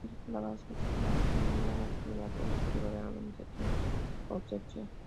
En otras palabras, maximizar la utilidad productiva de la organización o sección.